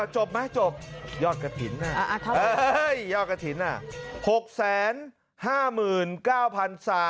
จบไหมจบยอดกะถินน่ะยอดกะถินน่ะ